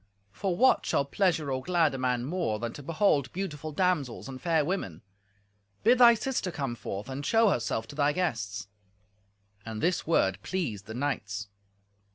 For what shall pleasure or glad a man more than to behold beautiful damsels and fair women? Bid thy sister come forth and show herself to thy guests." And this word pleased the knights.